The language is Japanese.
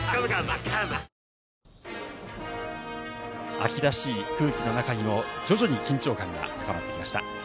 秋らしい空気の中にも、徐々に緊張感が高まってきました。